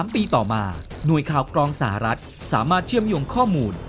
๓ปีต่อมาหน่วยข่าวกรองสหรัฐสามารถเชื่อมโยงข้อมูล